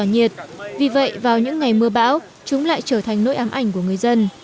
hệ thống dây cáp cũng là nỗi ám ảnh của người dân